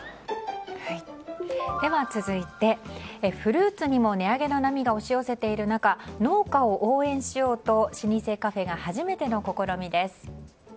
では、続いてフルーツにも値上げの波が押し寄せている中農家を応援しようと老舗カフェが初めての試みです。